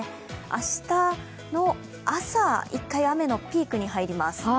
明日の朝、１回、雨のピークに入ります。